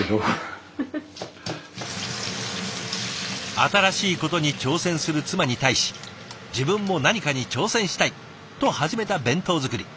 新しいことに挑戦する妻に対し自分も何かに挑戦したい！と始めた弁当作り。